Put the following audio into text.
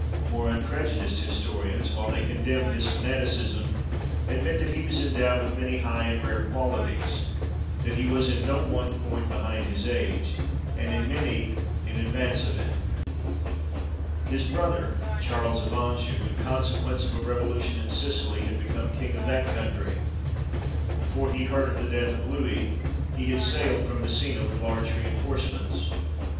More unprejudiced historians, while they condemn his fanaticism, admit that he was endowed with many high and rare qualities; that he was in no one point behind his age, and in many in advance of it. His brother, Charles of Anjou, in consequence of a revolution in Sicily, had become king of that country. Before he heard of the death of Louis, he had sailed from Messina with large reinforcements.